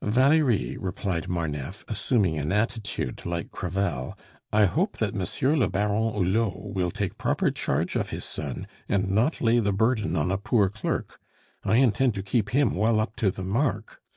"Valerie," replied Marneffe, assuming an attitude like Crevel, "I hope that Monsieur le Baron Hulot will take proper charge of his son, and not lay the burden on a poor clerk. I intend to keep him well up to the mark.